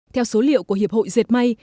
theo số liệu của hiệp hội dệt may